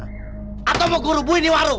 atau mau gue rubuhin ini warung